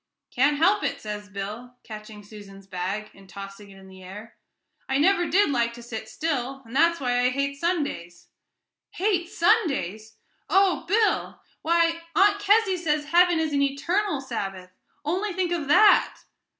"Can't help it," says Bill, catching Susan's bag, and tossing it in the air; "I never did like to sit still, and that's why I hate Sundays." "Hate Sundays! Oh, Bill! Why, Aunt Kezzy says heaven is an eternal Sabbath only think of that!"